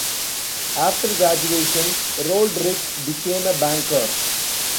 After graduation, Rodrigues became a banker.